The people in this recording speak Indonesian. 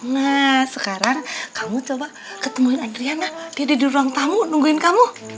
nah sekarang kamu coba ketemuin adriana jadi di ruang tamu nungguin kamu